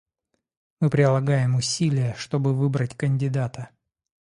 Мы прилагаем усилия, чтобы выбрать кандидата.